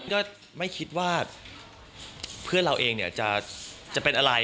ก็ไม่คิดว่าเพื่อนเราเองเนี่ยจะเป็นอะไร